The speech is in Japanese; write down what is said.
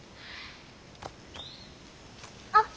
あっ！